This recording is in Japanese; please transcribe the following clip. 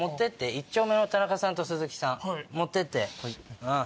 １丁目のタナカさんとスズキさん持ってって。